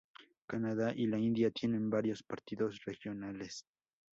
Canadá y la India tienen varios partidos regionales.